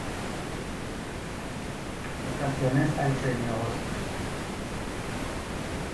Fue candidato en tres ocasiones al premio Óscar.